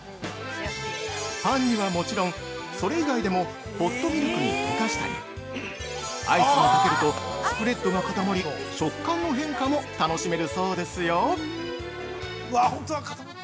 ◆パンにはもちろんそれ以外でもホットミルクに溶かしたりアイスにかけるとスプレッドが固まり食感の変化も楽しめるそうですよ。